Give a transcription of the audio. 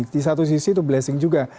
di satu sisi itu blessing juga